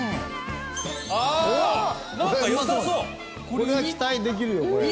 これは期待できるよこれ。